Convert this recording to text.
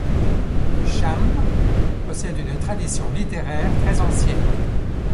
Le cham possède une tradition littéraire très ancienne.